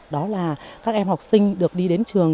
đó là các em học sinh được đi đến trường